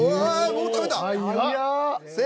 もう食べたん？